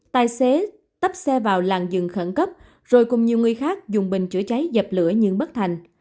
tài xế tắp xe vào làng dừng khẩn cấp rồi cùng nhiều người khác dùng bình chữa cháy dập lửa nhưng bất thành